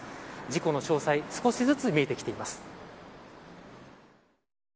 事故の詳細少しずつ見えてきています。